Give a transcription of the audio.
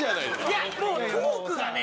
いやトークがね